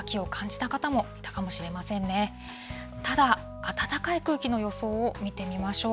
ただ、暖かい空気の予想を見てみましょう。